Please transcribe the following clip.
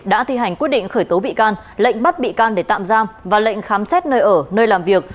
đã thi hành quyết định khởi tố bị can lệnh bắt bị can để tạm giam và lệnh khám xét nơi ở nơi làm việc